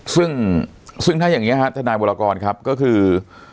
ซึ่งซึ่งถ้าอย่างนี้ฮะทนายวรกรครับก็คือ